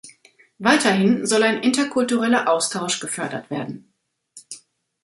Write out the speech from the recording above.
Weiterhin soll ein interkultureller Austausch gefördert werden.